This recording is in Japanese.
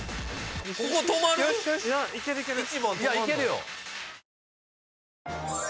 ここ止まる⁉いけるいける。